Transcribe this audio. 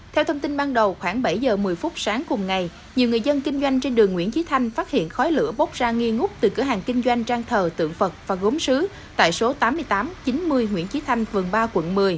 theo thông tin ban đầu khoảng bảy h một mươi sáng cùng ngày nhiều người dân kinh doanh trên đường nguyễn chí thanh phát hiện khói lửa bốc ra nghi ngút từ cửa hàng kinh doanh trang thờ tượng phật và gốm sứ tại số tám mươi tám chín mươi nguyễn chí thanh vườn ba quận một mươi